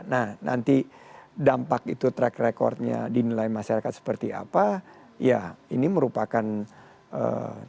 nah nanti dampak itu track recordnya dinilai masyarakat seperti apa ya ini merupakan ee